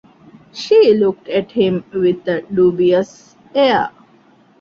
She looked at him with a dubious air.